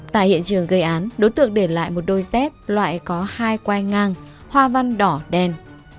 tại hiện trường gây án đối tượng để lại một đôi dép loại có hai quay ngang hoa văn đỏ đen